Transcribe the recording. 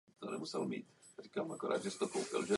Při honbě za zjednodušením někdy naopak hrozí větší složitost.